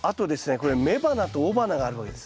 これ雌花と雄花があるわけです。